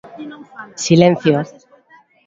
Silencio.